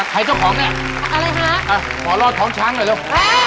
เจ้าของเนี่ยอะไรคะอ่ะขอรอดท้องช้างหน่อยเร็ว